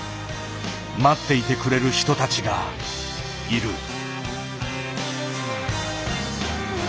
待っていてくれる人たちがいる。